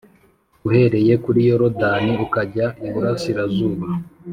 uhereye kuri Yorodani ukajya iburasirazuba